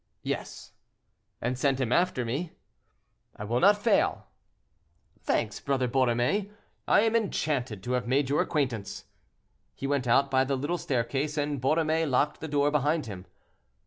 "Yes." "And send him after me?" "I will not fail." "Thanks, Brother Borromée; I am enchanted to have made your acquaintance." He went out by the little staircase, and Borromée locked the door behind him.